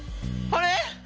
あれ？